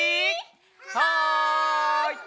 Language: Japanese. はい！